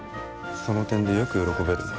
その点でよく喜べるな。